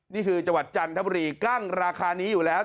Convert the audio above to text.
นี่คือจันทบุรีกั้งราคานี้อยู่แล้ว